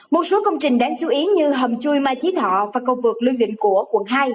một số công trình đáng chú ý như hầm chui mai chí thọ và cầu vượt lương định của quận hai